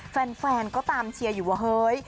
แฟนก็ตามเชียร์อยู่ว่าเฮ้ย